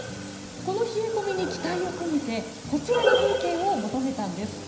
この冷え込みに期待を込めてこちらの風景を求めたんです。